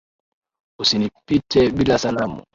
Usinipite bila salamu.